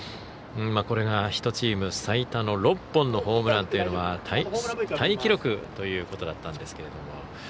これが１チーム最多の６本のホームランというのはタイ記録だったんですが。